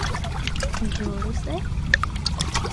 جوړ اوسئ؟